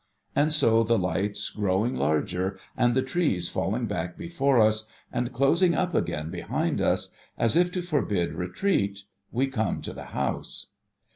And so, the lights growing larger, and the trees falling back before us, and closing up again behind us, as if to forbid retreat, we come to the house.